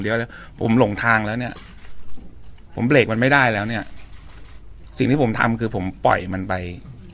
สรุปว่าคุณป่าเป็นคนอยากจะแต่งงานใช่ไหมครับเฆี่ยที่ป๊อปบอกว่าให้มันไป